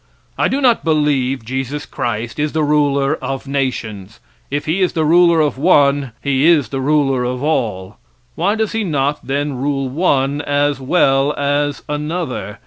I do not believe Jesus Christ is the ruler of nations. If he is the ruler of one he is the ruler of all. Why does he not then rule one as well as another?